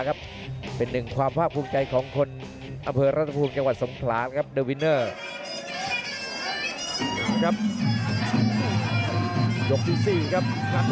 เลือกจะเตินเกาะไหนครับ